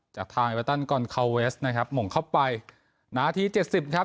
จากทางนะครับหมงเข้าไปนาทีเจ็ดสิบครับ